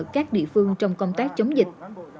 các địa phương trong công tác chống dịch